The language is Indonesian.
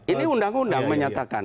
ini undang undang menyatakan